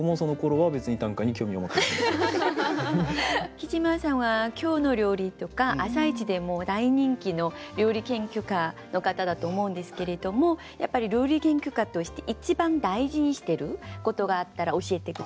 きじまさんは「きょうの料理」とか「あさイチ」でも大人気の料理研究家の方だと思うんですけれどもやっぱり料理研究家として一番大事にしてることがあったら教えて下さい。